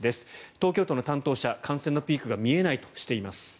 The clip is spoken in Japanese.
東京都の担当者感染のピークが見えないとしています。